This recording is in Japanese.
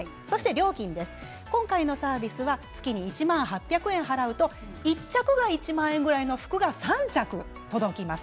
料金ですが今回のサービスは月に１万８００円払うと１着が１万円くらいの服が３着届きます。